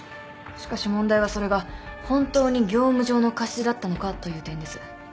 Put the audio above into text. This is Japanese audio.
しかし問題はそれが本当に業務上の過失だったのかという点です。